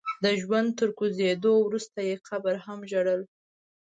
د ژوند تر کوزېدو وروسته يې قبر هم ژړل.